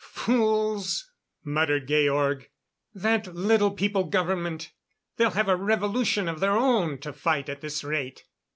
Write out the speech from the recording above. "Fools!" muttered Georg. "That Little People government they'll have a revolution of their own to fight at this rate.